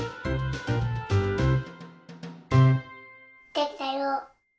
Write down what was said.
できたよ。